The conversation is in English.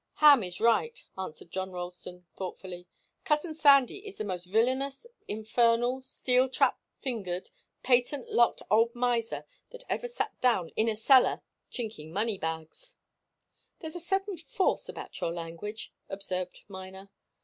"Ham is right," answered John Ralston, thoughtfully. "Cousin Sandy is the most villainous, infernal, steel trap fingered, patent locked old miser that ever sat down in a cellar chinking money bags." "There's a certain force about your language," observed Miner.